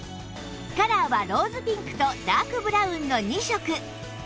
カラーはローズピンクとダークブラウンの２色